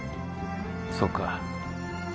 そうか。